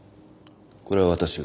これは私が。